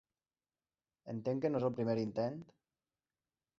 Entenc que no és el primer intent?